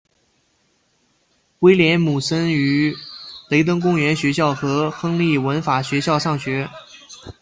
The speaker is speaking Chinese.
威廉姆森于雷登公园学校和亨利文法学校上学。